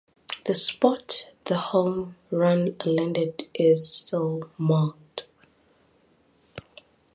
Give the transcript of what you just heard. The spot the home run landed is still marked.